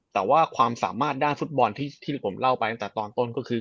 แต่ว่าความสามารถด้านฟุตบอลที่ผมเล่าไปตั้งแต่ตอนต้นก็คือ